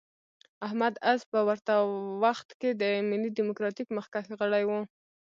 احمد عز په ورته وخت کې د ملي ډیموکراتیک مخکښ غړی و.